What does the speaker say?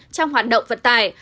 trong hoạt động vận tải